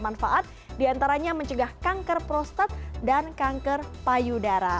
manfaat diantaranya mencegah kanker prostat dan kanker payudara